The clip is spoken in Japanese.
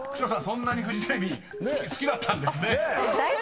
そんなにフジテレビ好きだったんですね］